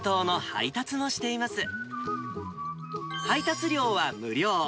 配達料は無料。